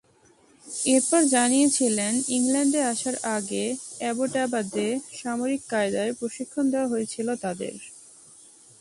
এরপর জানিয়েছিলেন, ইংল্যান্ডে আসার আগে অ্যাবোটাবাদে সামরিক কায়দায় প্রশিক্ষণ দেওয়া হয়েছিল তাদের।